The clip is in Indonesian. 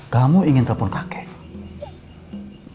kamu ingin telepon kakek